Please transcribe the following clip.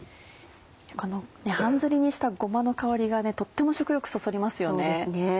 この半ずりにしたごまの香りがねとっても食欲そそりますよね。